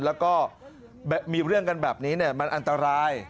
แล้วก็มีเรื่องกันแบบนี้มันอันตราย